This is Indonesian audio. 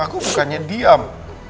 aku bukannya diam